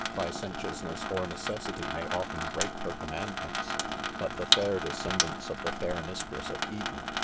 Licentiousness or necessity may often break her commandments ; but the fair descendants of the fair mis tress of Eden